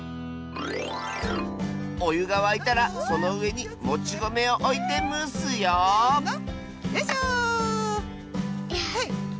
おゆがわいたらそのうえにもちごめをおいてむすよよいしょ。